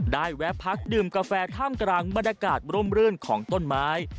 แวะพักดื่มกาแฟท่ามกลางบรรยากาศร่มรื่นของต้นไม้